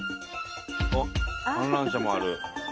あっ観覧車もある。